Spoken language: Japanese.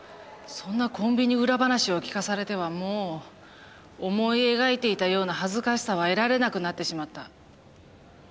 そんなコンビニ裏話を聞かされてはもう思い描いていたような恥ずかしさは得られなくなってしまった。